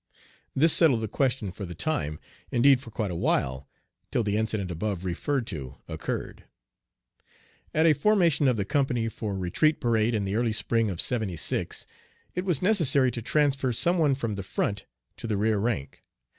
This settled the question for the time, indeed for quite a while, till the incident above referred to occurred. At a formation of the company for retreat parade in the early spring of '76, it was necessary to transfer some one from the front to the rear rank.